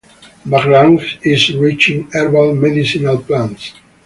Baglung is rich in herbal medicinal plants.